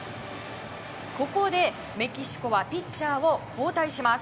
ここでメキシコはピッチャーを交代します。